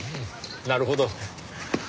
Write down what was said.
なるほど。